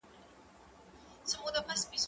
زه هره ورځ لوښي وچوم،